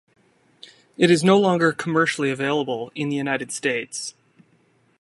It is no longer commercially available in the United States.